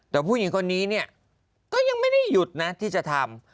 แต่ผู้หญิงคนนี้เนี่ยก็ยังไม่ได้หยุดนะที่จะทำ